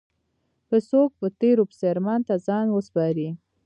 که څوک په تېرو پسې ارمان ته ځان وسپاري.